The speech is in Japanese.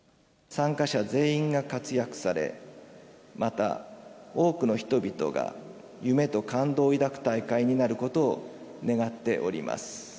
参加者全員が活躍され、また多くの人々が夢と感動を抱く大会になることを願っております。